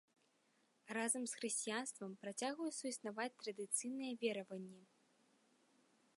Разам з хрысціянствам працягваюць суіснаваць традыцыйныя вераванні.